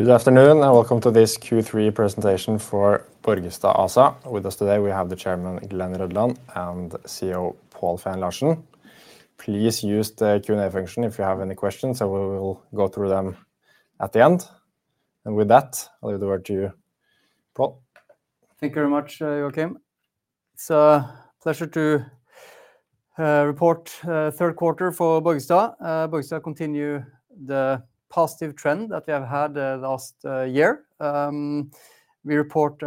Good afternoon, and welcome to this Q3 presentation for Borgestad ASA. With us today, we have the Chairman Glen Ole Rødland and CEO Pål Feen Larsen. Please use the Q&A function if you have any questions, and we will go through them at the end. And with that, I'll give the word to you, Pål. Thank you very much, Joakim. It's a pleasure to report third quarter for Borgestad. Borgestad continues the positive trend that we have had last year. We report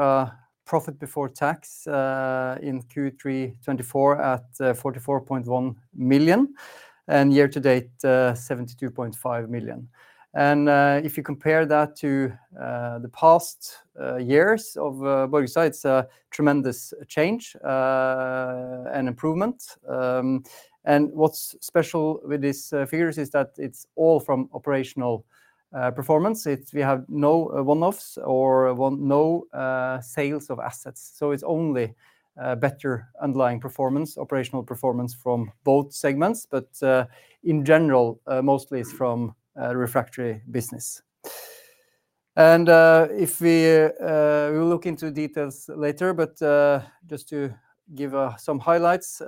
profit before tax in Q3 2024 at 44.1 million, and year-to-date 72.5 million, and if you compare that to the past years of Borgestad, it's a tremendous change and improvement, and what's special with these figures is that it's all from operational performance. We have no one-offs or no sales of assets, so it's only better underlying performance, operational performance from both segments, but in general, mostly it's from the refractory business, and if we will look into details later, but just to give some highlights,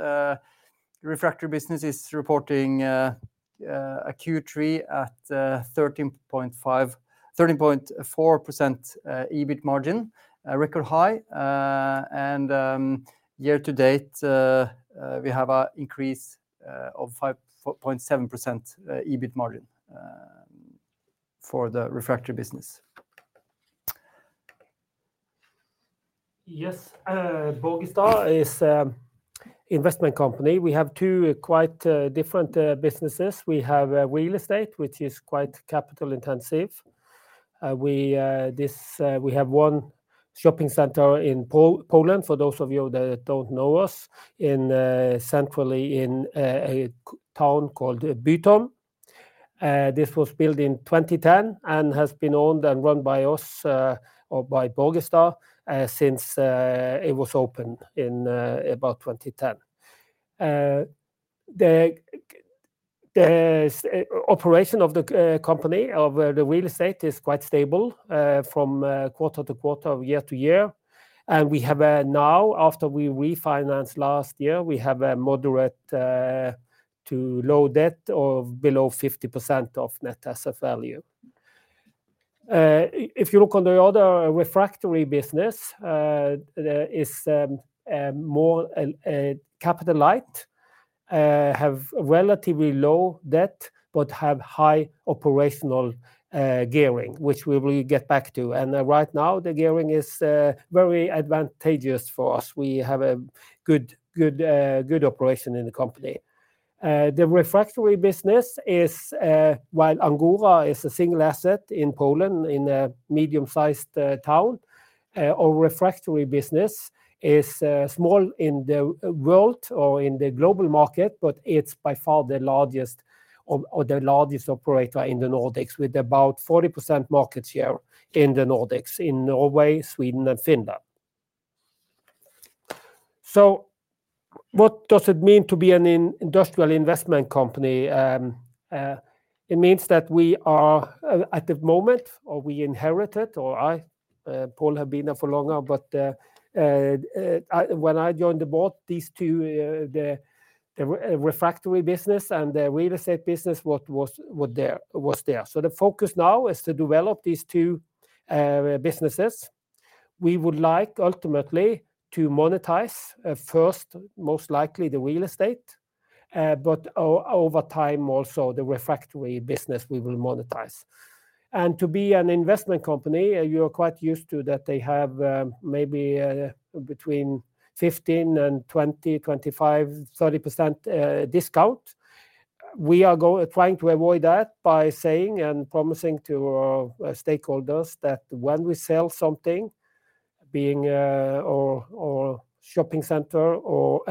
the refractory business is reporting a Q3 at 13.4% EBIT margin, a record high, and year-to-date, we have an increase of 5.7% EBIT margin for the refractory business. Yes, Borgestad is an investment company. We have two quite different businesses. We have real estate, which is quite capital-intensive. We have one shopping center in Poland, for those of you that don't know us, centrally in a town called Bytom. This was built in 2010 and has been owned and run by us or by Borgestad since it was opened in about 2010. The operation of the company, of the real estate, is quite stable from quarter to quarter, year to year. And we have now, after we refinanced last year, we have a moderate to low debt of below 50% of net asset value. If you look on the other refractory business, it's more capital-light, have relatively low debt, but have high operational gearing, which we will get back to. And right now, the gearing is very advantageous for us. We have a good operation in the company. The refractory business is, while Agora is a single asset in Poland in a medium-sized town, our refractory business is small in the world or in the global market, but it's by far the largest operator in the Nordics, with about 40% market share in the Nordics, in Norway, Sweden, and Finland. So what does it mean to be an industrial investment company? It means that we are at the moment, or we inherited, or, Pål, has been there for longer, but when I joined the board, these two, the refractory business and the real estate business, was there. So the focus now is to develop these two businesses. We would like ultimately to monetize, first, most likely the real estate, but over time also the refractory business we will monetize. To be an investment company, you're quite used to that they have maybe between 15% and 20%, 25%, 30% discount. We are trying to avoid that by saying and promising to our stakeholders that when we sell something, being our shopping center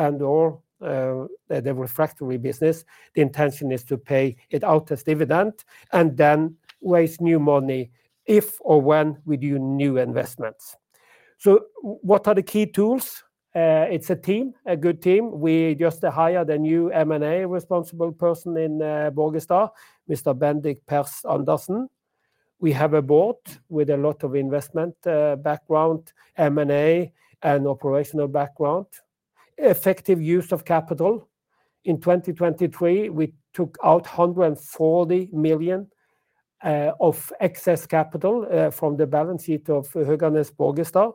and/or the refractory business, the intention is to pay it out as dividend and then raise new money if or when we do new investments. So what are the key tools? It's a team, a good team. We just hired a new M&A responsible person in Borgestad, Mr. Bendik Persch Andersen. We have a board with a lot of investment background, M&A and operational background, effective use of capital. In 2023, we took out 140 million of excess capital from the balance sheet of Höganäs Borgestad.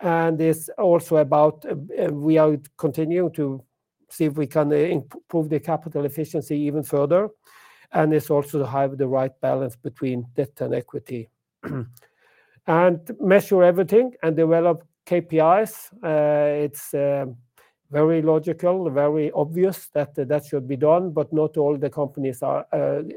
And it's also about we are continuing to see if we can improve the capital efficiency even further. And it's also to have the right balance between debt and equity. And measure everything and develop KPIs. It's very logical, very obvious that that should be done, but not all the companies are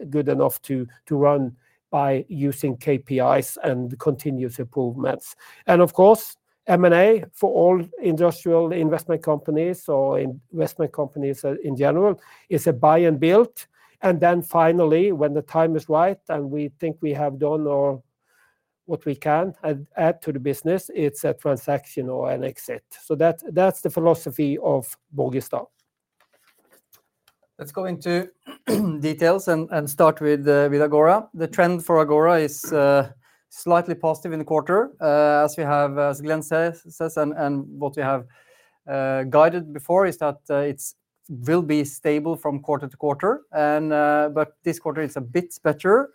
good enough to run by using KPIs and continuous improvements. And of course, M&A for all industrial investment companies or investment companies in general is a buy and build. And then finally, when the time is right and we think we have done what we can add to the business, it's a transaction or an exit. So that's the philosophy of Borgestad. Let's go into details and start with Agora. The trend for Agora is slightly positive in the quarter, as Glenn says. And what we have guided before is that it will be stable from quarter to quarter. But this quarter, it's a bit better.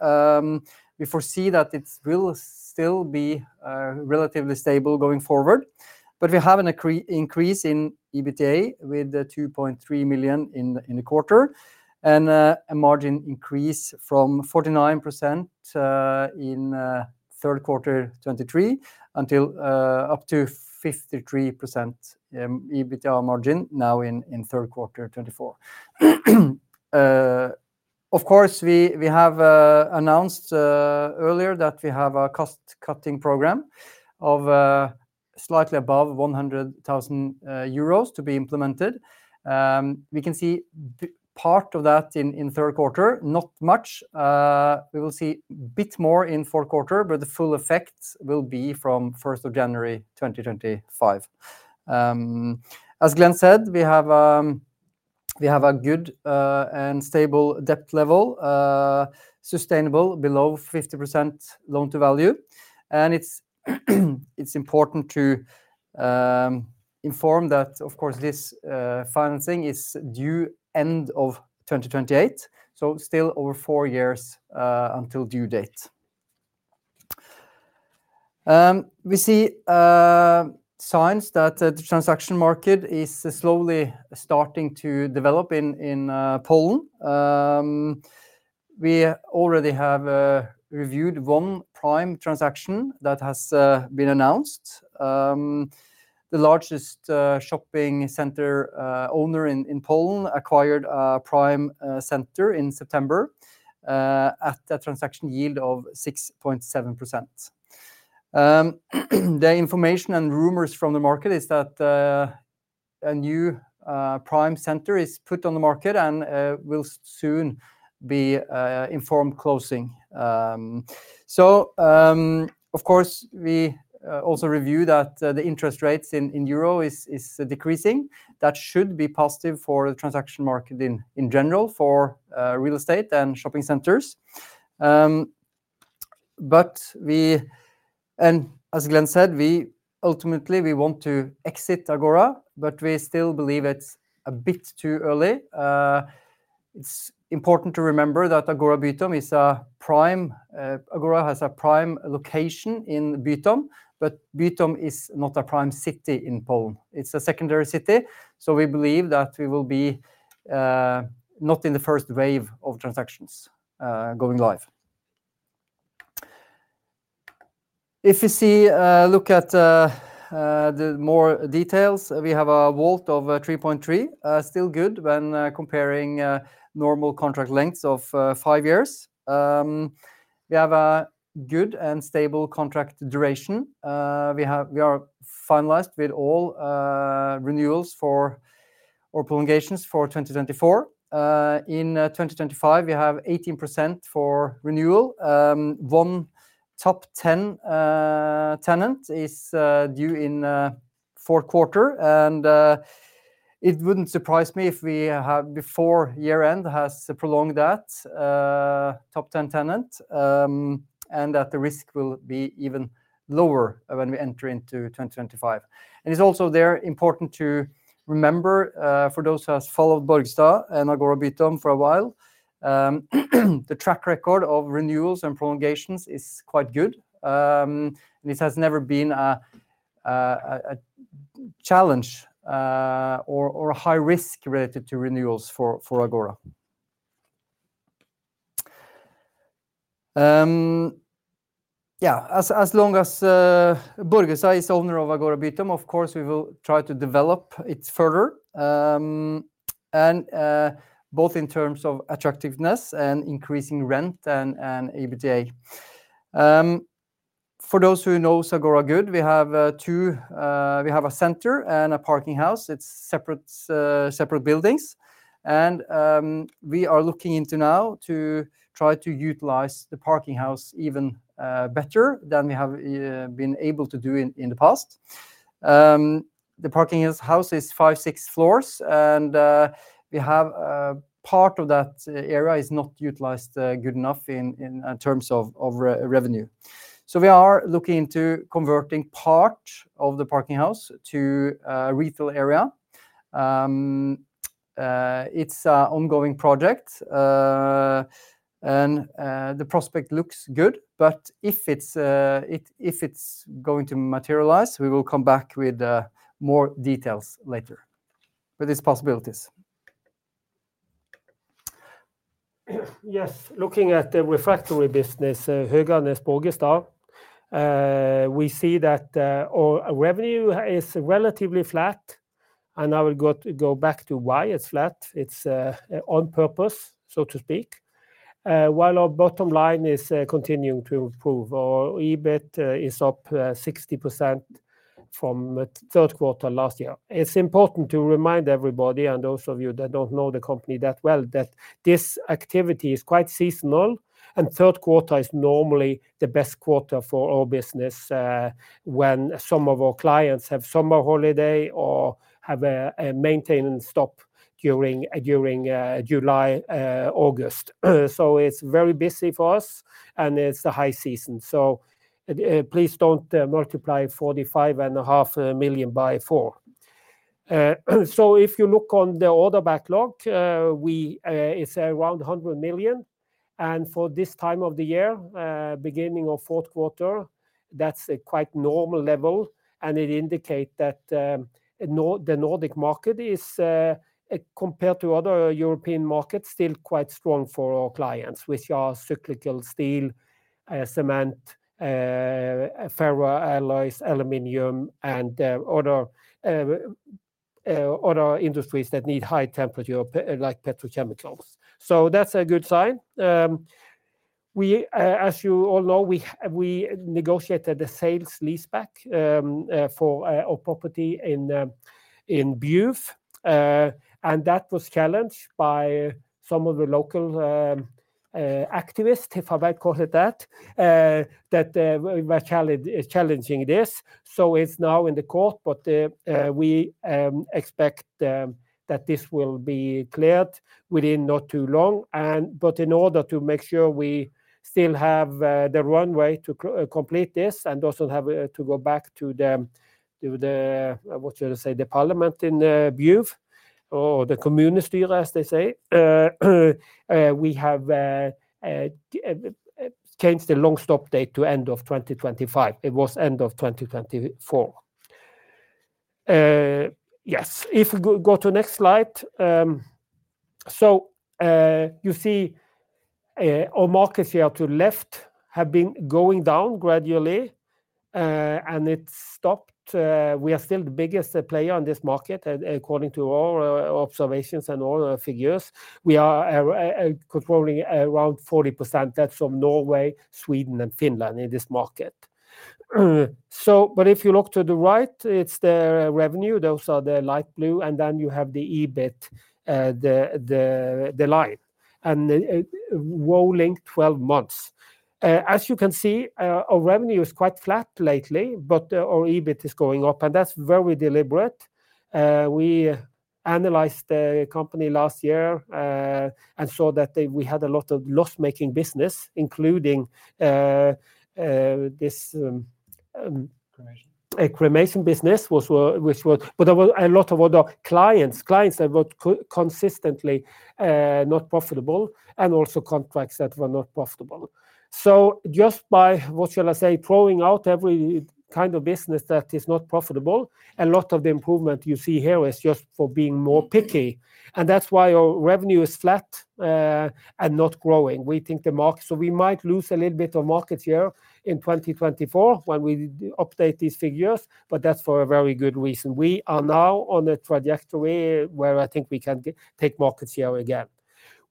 We foresee that it will still be relatively stable going forward. But we have an increase in EBITDA with 2.3 million in the quarter and a margin increase from 49% in third quarter 2023 until up to 53% EBITDA margin now in third quarter 2024. Of course, we have announced earlier that we have a cost-cutting program of slightly above 100,000 euros to be implemented. We can see part of that in third quarter, not much. We will see a bit more in fourth quarter, but the full effect will be from 1st of January 2025. As Glenn said, we have a good and stable debt level, sustainable below 50% loan to-value, and it's important to inform that, of course, this financing is due end of 2028, so still over four years until due date. We see signs that the transaction market is slowly starting to develop in Poland. We already have reviewed one prime transaction that has been announced. The largest shopping center owner in Poland acquired a prime center in September at a transaction yield of 6.7%. The information and rumors from the market is that a new prime center is put on the market and will soon be informed closing, so of course, we also review that the interest rates in euro is decreasing. That should be positive for the transaction market in general for real estate and shopping centers. But we, and as Glenn said, we ultimately want to exit Agora, but we still believe it's a bit too early. It's important to remember that Agora Bytom is a prime. Agora has a prime location in Bytom, but Bytom is not a prime city in Poland. It's a secondary city. So we believe that we will be not in the first wave of transactions going live. If you look at the more details, we have a WAULT of 3.3, still good when comparing normal contract lengths of five years. We have a good and stable contract duration. We are finalized with all renewals or prolongations for 2024. In 2025, we have 18% for renewal. One top 10 tenant is due in fourth quarter. And it wouldn't surprise me if we, before year-end, have prolonged that top 10 tenant and that the risk will be even lower when we enter into 2025. And it's also very important to remember for those who have followed Borgestad and Agora Bytom for a while, the track record of renewals and prolongations is quite good. And it has never been a challenge or a high risk related to renewals for Agora. Yeah, as long as Borgestad is owner of Agora Bytom, of course, we will try to develop it further, both in terms of attractiveness and increasing rent and EBITDA. For those who know Agora good, we have a center and a parking house. They're separate buildings. And we are looking into now to try to utilize the parking house even better than we have been able to do in the past. The parking house is five, six floors, and we have part of that area is not utilized good enough in terms of revenue. So we are looking into converting part of the parking house to a retail area. It's an ongoing project, and the prospect looks good. But if it's going to materialize, we will come back with more details later with these possibilities. Yes, looking at the refractory business, Höganäs Borgestad, we see that our revenue is relatively flat. And I will go back to why it's flat. It's on purpose, so to speak, while our bottom line is continuing to improve. Our EBIT is up 60% from third quarter last year. It's important to remind everybody and those of you that don't know the company that well that this activity is quite seasonal, and third quarter is normally the best quarter for our business when some of our clients have summer holiday or have a maintenance stop during July, August. So it's very busy for us, and it's the high season. So please don't multiply 45.5 million by four. So if you look on the order backlog, it's around 100 million. And for this time of the year, beginning of fourth quarter, that's a quite normal level. It indicates that the Nordic market is, compared to other European markets, still quite strong for our clients, which are cyclical steel, cement, ferroalloys, aluminum, and other industries that need high temperature like petrochemicals. That's a good sign. As you all know, we negotiated the sale-leaseback for our property in Bjuv. That was challenged by some of the local activists, if I might call it that, that were challenging this. It's now in the court, but we expect that this will be cleared within not too long. In order to make sure we still have the runway to complete this and also have to go back to the, what should I say, the parliament in Bjuv or the kommunestyre, as they say, we have changed the long stop date to end of 2025. It was end of 2024. Yes, if we go to the next slide. So you see our markets here to the left have been going down gradually, and it stopped. We are still the biggest player in this market, according to our observations and all figures. We are controlling around 40%. That's of Norway, Sweden, and Finland in this market. But if you look to the right, it's the revenue. Those are the light blue. And then you have the EBIT, the line, and rolling 12 months. As you can see, our revenue is quite flat lately, but our EBIT is going up, and that's very deliberate. We analyzed the company last year and saw that we had a lot of loss-making business, including this cremation business, which was, but there were a lot of other clients, clients that were consistently not profitable, and also contracts that were not profitable. Just by, what shall I say, throwing out every kind of business that is not profitable, a lot of the improvement you see here is just for being more picky. And that's why our revenue is flat and not growing. We think the market, so we might lose a little bit of market share in 2024 when we update these figures, but that's for a very good reason. We are now on a trajectory where I think we can take market share again.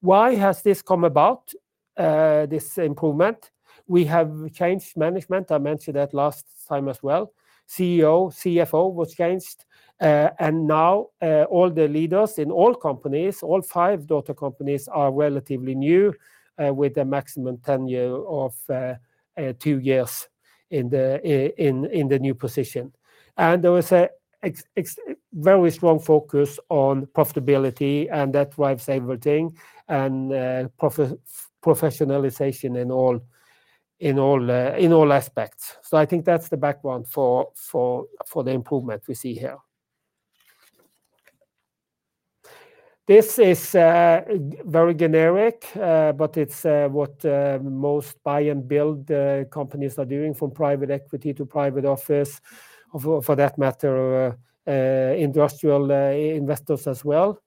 Why has this come about, this improvement? We have changed management. I mentioned that last time as well. CEO, CFO was changed. And now all the leaders in all companies, all five daughter companies are relatively new with a maximum tenure of two years in the new position. And there was a very strong focus on profitability, and that drives everything and professionalization in all aspects. So I think that's the background for the improvement we see here. This is very generic, but it's what most buy and build companies are doing from private equity to private office for that matter, industrial investors as well.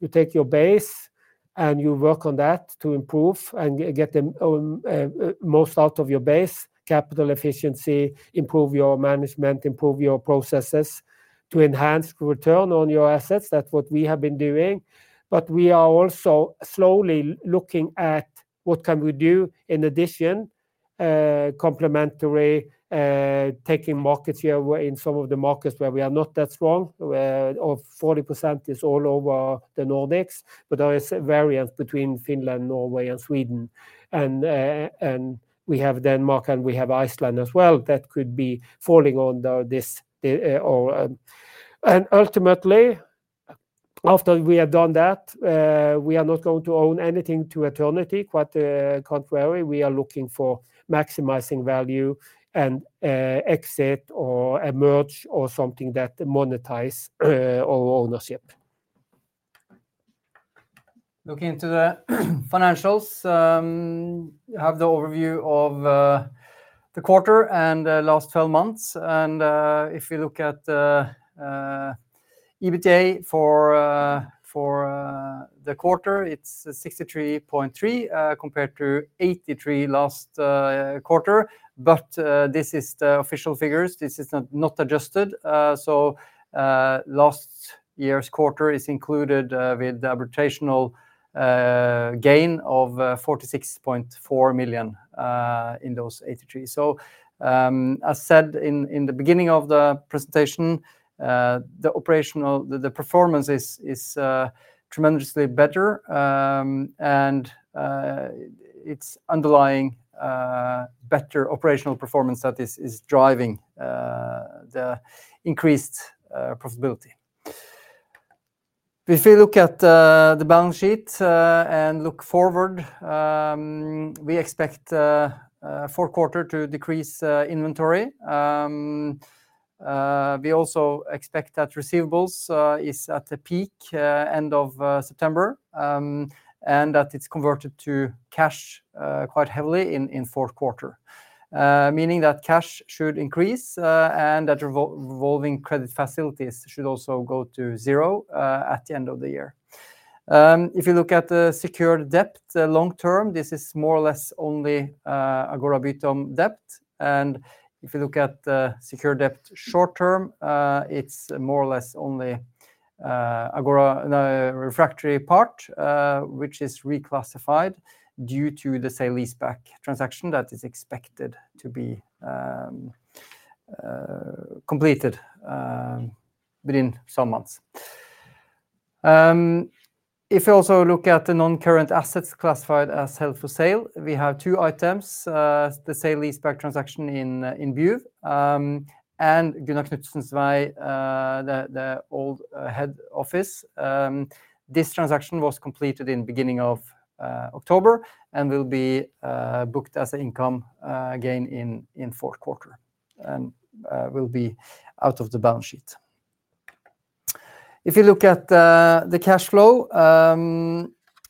You take your base and you work on that to improve and get the most out of your base, capital efficiency, improve your management, improve your processes to enhance return on your assets. That's what we have been doing. But we are also slowly looking at what can we do in addition, complementary, taking market share in some of the markets where we are not that strong. 40% is all over the Nordics, but there is a variance between Finland, Norway, and Sweden. And we have Denmark and we have Iceland as well that could be falling on this. Ultimately, after we have done that, we are not going to own anything to eternity. Quite the contrary, we are looking for maximizing value and exit or emerge or something that monetizes our ownership. Looking into the financials, you have the overview of the quarter and last 12 months. And if we look at EBITDA for the quarter, it's 63.3 compared to 83 last quarter. But this is the official figures. This is not adjusted. So last year's quarter is included with the extraordinary gain of 46.4 million in those 83. So as said in the beginning of the presentation, the operational, the performance is tremendously better. And it's underlying better operational performance that is driving the increased profitability. If we look at the balance sheet and look forward, we expect fourth quarter to decrease inventory. We also expect that receivables is at the peak end of September and that it's converted to cash quite heavily in fourth quarter, meaning that cash should increase and that revolving credit facilities should also go to zero at the end of the year. If you look at the secured debt long term, this is more or less only Agora Bytom debt, and if you look at the secured debt short term, it's more or less only Agora refractory part, which is reclassified due to the sale -easeback transaction that is expected to be completed within some months. If we also look at the non-current assets classified as held for sale, we have two items, the sale-leaseback transaction in Bjuv and Gunnar Knudsens vei, the old head office. This transaction was completed in the beginning of October and will be booked as an income gain in fourth quarter and will be out of the balance sheet. If you look at the cash flow,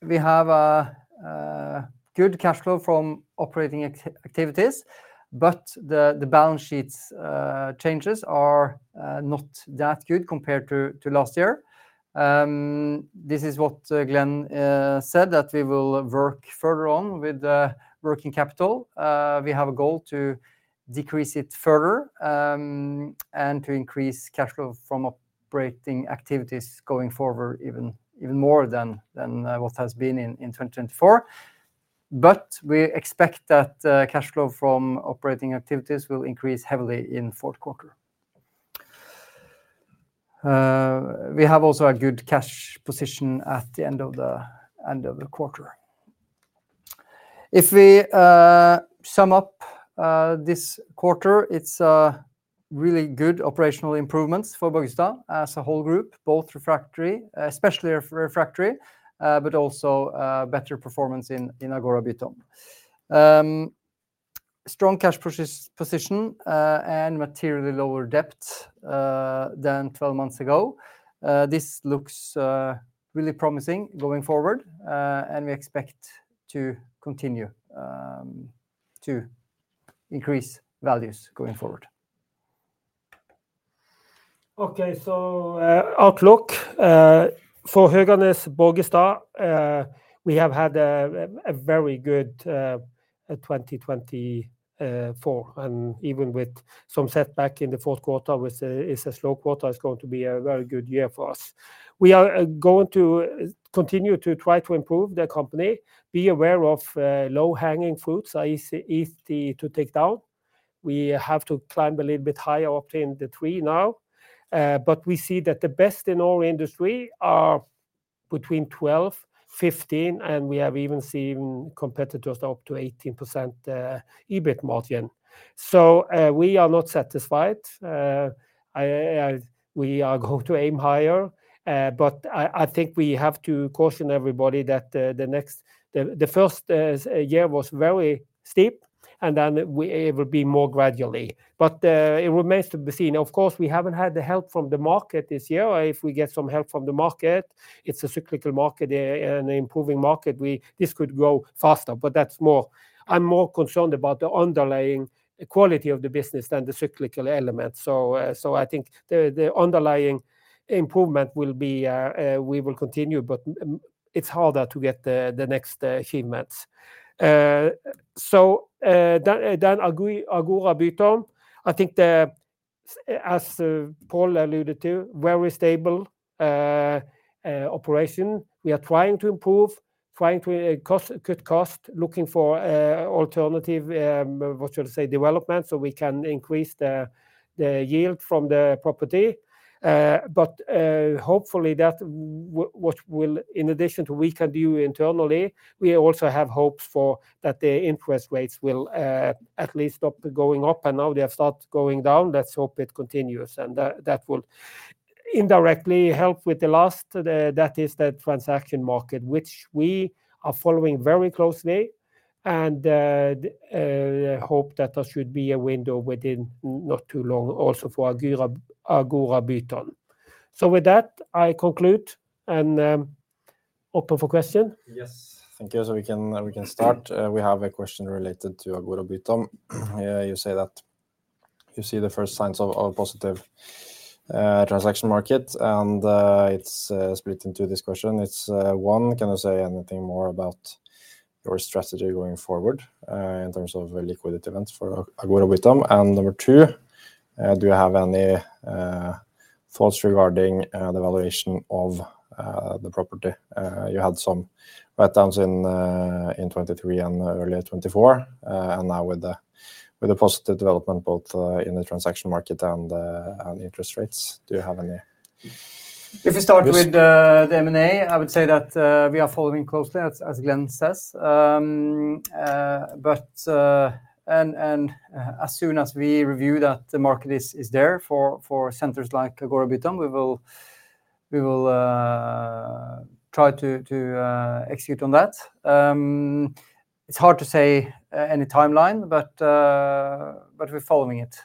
we have a good cash flow from operating activities, but the balance sheet changes are not that good compared to last year. This is what Glenn said that we will work further on with working capital. We have a goal to decrease it further and to increase cash flow from operating activities going forward even more than what has been in 2024. But we expect that cash flow from operating activities will increase heavily in fourth quarter. We have also a good cash position at the end of the quarter. If we sum up this quarter, it's really good operational improvements for Borgestad as a whole group, both refractory, especially refractory, but also better performance in Agora Bytom. Strong cash position and materially lower debt than 12 months ago. This looks really promising going forward, and we expect to continue to increase values going forward. Okay, so outlook for Höganäs Borgestad. We have had a very good 2024. Even with some setback in the fourth quarter, which is a slow quarter, it's going to be a very good year for us. We are going to continue to try to improve the company, be aware of low hanging fruits easy to take down. We have to climb a little bit higher up in the tree now. We see that the best in our industry are between 12%-15%, and we have even seen competitors up to 18% EBIT margin. We are not satisfied. We are going to aim higher, but I think we have to caution everybody that the first year was very steep, and then it will be more gradually. It remains to be seen. Of course, we haven't had the help from the market this year. If we get some help from the market, it's a cyclical market and an improving market. This could grow faster, but that's more. I'm more concerned about the underlying quality of the business than the cyclical element, so I think the underlying improvement will be, we will continue, but it's harder to get the next achievements, so then Agora Bytom, I think as Pål alluded to, very stable operation. We are trying to improve, trying to cut costs, looking for alternative, what should I say, development so we can increase the yield from the property. But hopefully that what will, in addition to we can do internally, we also have hopes for that the interest rates will at least stop going up, and now they have started going down. Let's hope it continues. And that will indirectly help with the last, that is the transaction market, which we are following very closely and hope that there should be a window within not too long also for Agora Bytom. So with that, I conclude and open for questions. Yes, thank you. So we can start. We have a question related to Agora Bytom. You say that you see the first signs of a positive transaction market, and it's split into this question. It's one, can you say anything more about your strategy going forward in terms of liquidity events for Agora Bytom? And number two, do you have any thoughts regarding the valuation of the property? You had some breakdowns in 2023 and early 2024, and now with the positive development both in the transaction market and interest rates, do you have any? If we start with the M&A, I would say that we are following closely, as Glenn says. But as soon as we review that the market is there for centers like Agora Bytom, we will try to execute on that. It's hard to say any timeline, but we're following it.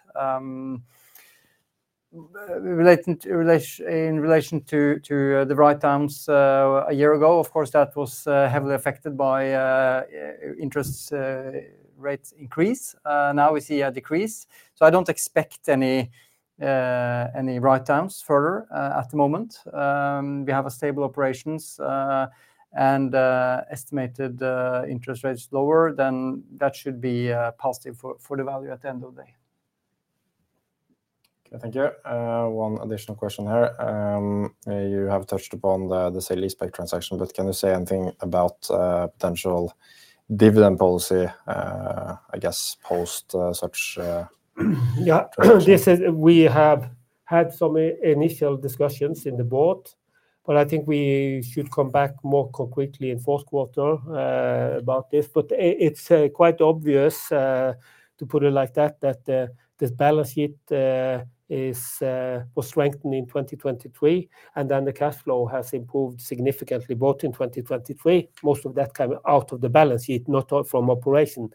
In relation to the write-downs a year ago, of course, that was heavily affected by interest rate increase. Now we see a decrease. So I don't expect any write-downs further at the moment. We have stable operations and estimated interest rates lower, then that should be positive for the value at the end of the day. Thank you. One additional question here. You have touched upon the sale-leaseback transaction, but can you say anything about potential dividend policy, I guess, post such? Yeah, we have had some initial discussions in the board, but I think we should come back more concretely in fourth quarter about this. But it's quite obvious, to put it like that, that the balance sheet was strengthened in 2023, and then the cash flow has improved significantly both in 2023. Most of that came out of the balance sheet, not from operation.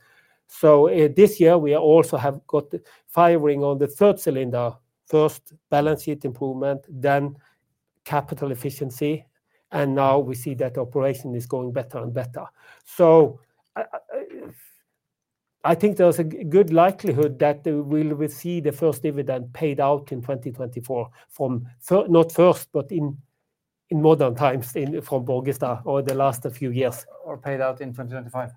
So this year we also have got firing on the third cylinder, first balance sheet improvement, then capital efficiency, and now we see that operation is going better and better. So I think there's a good likelihood that we will see the first dividend paid out in 2024, not first, but in modern times from Borgestad over the last few years. Or paid out in 2025?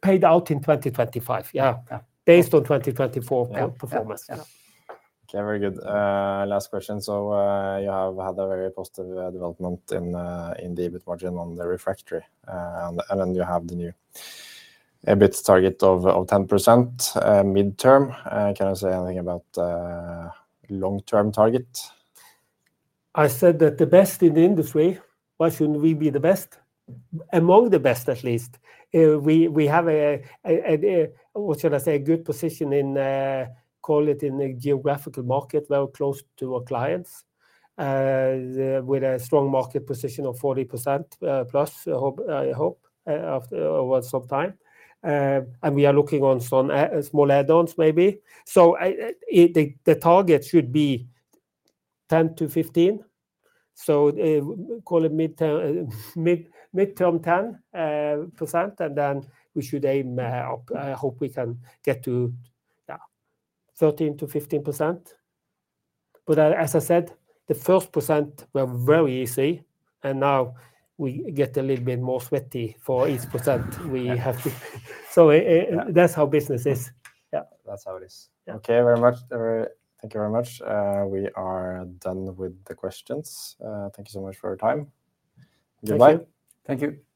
Paid out in 2025, yeah, based on 2024 performance. Okay, very good. Last question. So you have had a very positive development in the EBIT margin on the refractory, and then you have the new EBIT target of 10% midterm. Can you say anything about long-term target? I said that the best in the industry, why shouldn't we be the best? Among the best, at least. We have a, what should I say, a good position in, call it in the geographical market, very close to our clients, with a strong market position of 40% plus, I hope, over some time, and we are looking on some small add-ons maybe, so the target should be 10 to 15, so call it midterm 10%, and then we should aim up. I hope we can get to 13%-15%. But as I said, the first percent were very easy, and now we get a little bit more sweaty for each percent we have to, so that's how business is. Yeah, that's how it is. Okay, very much. Thank you very much. We are done with the questions. Thank you so much for your time. Goodbye. Thank you.